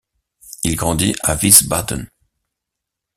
Il grandit à Wiesbaden.